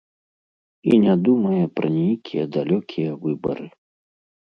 І не думае пра нейкія далёкія выбары.